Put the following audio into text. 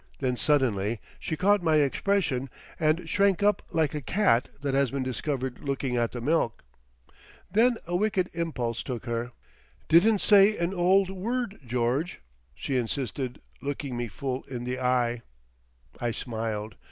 Then suddenly she caught my expression, and shrank up like a cat that has been discovered looking at the milk. Then a wicked impulse took her. "Didn't say an old word, George," she insisted, looking me full in the eye. I smiled.